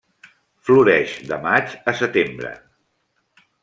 Floreix de maig a setembre.